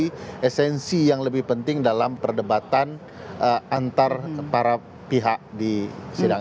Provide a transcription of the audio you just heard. menjadi esensi yang lebih penting dalam perdebatan antar para pihak di sidang